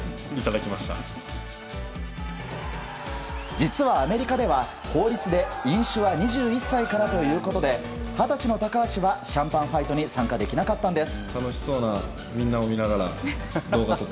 実は、アメリカでは法律で飲酒は２１歳からということで二十歳の高橋はシャンパンファイトに参加できなかったんです。